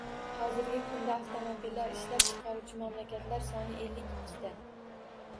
Hozirgi kunda avtomobillar ishlab chiqaruvchi mamlakatlar soni ellik ikkita.